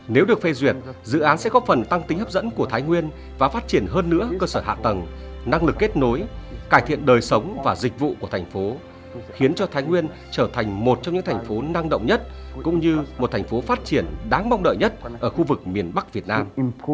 nếu được phê duyệt dự án sẽ có phần tăng tính hấp dẫn của thái nguyên và phát triển hơn nữa cơ sở hạ tầng năng lực kết nối cải thiện đời sống và dịch vụ của thành phố khiến cho thái nguyên trở thành một trong những thành phố năng động nhất cũng như một thành phố phát triển đáng mong đợi nhất ở khu vực miền bắc việt nam